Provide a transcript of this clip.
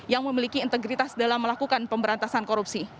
yang memiliki integritas dalam melakukan pemberantasan korupsi